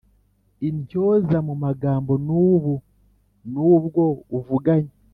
intyoza mu magambo n ubu nubwo uvuganye